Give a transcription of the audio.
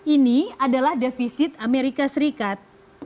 ini adalah defisit amerika serikat